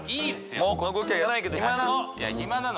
もうこの動きはやらないけどヒマなの。